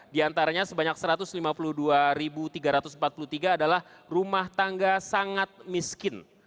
di antaranya sebanyak satu ratus lima puluh dua tiga ratus empat puluh tiga adalah rumah tangga sangat miskin